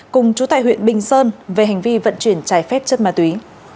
cùng chú tại huyện bình sơn về hành vi vận chuyển trái phép chất ma túy